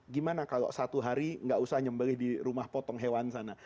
gimana kalau satu hari nggak usah nyembelih di rumah potong hewan sana